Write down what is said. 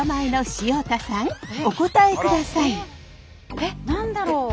えっ何だろう。